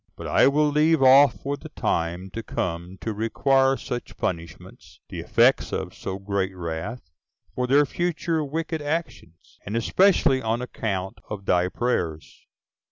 But I will leave off for the time to come to require such punishments, the effects of so great wrath, for their future wicked actions, and especially on account of thy prayers.